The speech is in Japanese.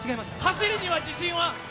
走りには自信は？